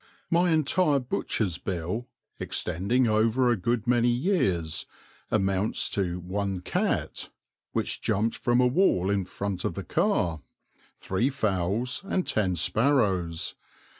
My entire butcher's bill, extending over a good many years, amounts to one cat (which jumped from a wall in front of the car), three fowls, and ten sparrows.